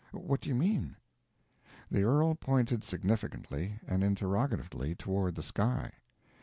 What do you mean?" The earl pointed significantly—and interrogatively toward the sky.